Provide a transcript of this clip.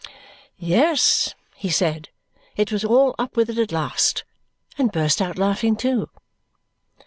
Yes, he said, it was all up with it at last, and burst out laughing too.